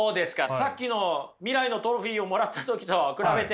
さっきの未来のトロフィーをもらった時と比べて。